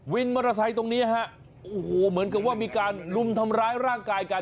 วินมอเตอร์ไซค์ตรงนี้ฮะโอ้โหเหมือนกับว่ามีการลุมทำร้ายร่างกายกัน